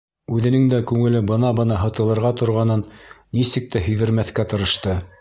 Үҙенең дә күңеле бына-бына һытылырға торғанын нисек тә һиҙҙермәҫкә тырышты.